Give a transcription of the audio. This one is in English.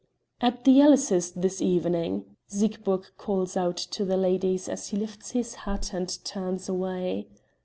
"At the Ellis' this evening," Siegburg calls out to the ladies as he lifts his hat and turns away.